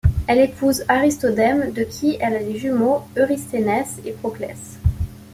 Elle épouse Aristodème, de qui elle a les jumeaux Eurysthénès et Proclès.